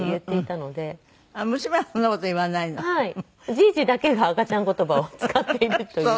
じぃじだけが赤ちゃん言葉を使っているという。